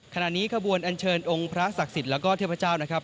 ขบวนอันเชิญองค์พระศักดิ์สิทธิ์แล้วก็เทพเจ้านะครับ